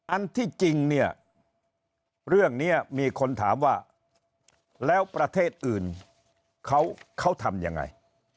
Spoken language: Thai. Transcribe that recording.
อันที่จริงเนี่ยเรื่องนี้มีคนถามว่าแล้วประเทศอื่นเขาทำยังไง